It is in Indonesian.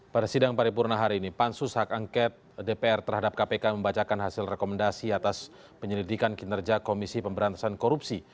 pada sidang paripurna hari ini pansus hak angket dpr terhadap kpk membacakan hasil rekomendasi atas penyelidikan kinerja komisi pemberantasan korupsi